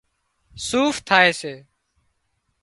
صوف ٿائي سي